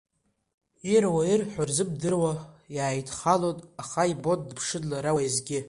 Ируа, ирҳәо рзымдыруа иааидхалон, аха ибон, дыԥшын лара уеизгьы.